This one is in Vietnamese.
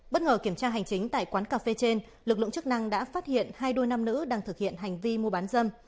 bất ngờ kiểm tra hành chính tại quán cà phê trên lực lượng chức năng đã phát hiện hai đôi nam nữ đang thực hiện hành vi mua bán dâm